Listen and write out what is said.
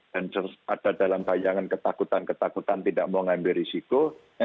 dan ada dalam bayangan ketakutan ketakutan tidak mau mengambil risiko